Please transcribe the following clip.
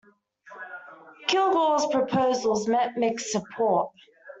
Kilgore's proposals met mixed support.